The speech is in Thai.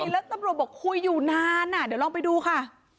แล้วตำรวจบอกคุยอยู่นานเดี๋ยวลองไปดูค่ะ